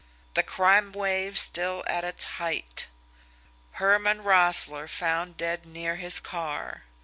THE CRIME WAVE STILL AT ITS HEIGHT. HERMAN ROESSLE FOUND DEAD NEAR HIS CAR.